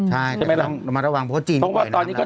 ใช่แต่ต้องระมัดระวังเพราะว่าจีนอ่อยน้ำนะ